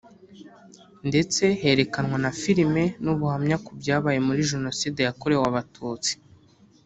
ndetse herekanwa na filimi n’ubuhamya ku byabaye muri Jenoside yakorewe abatutsi